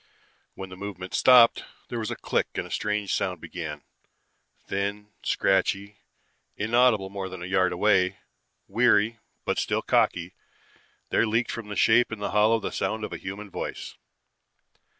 When the movements stopped, there was a click and a strange sound began. Thin, scratchy, inaudible more than a yard away, weary but still cocky, there leaked from the shape in the hollow the sound of a human voice.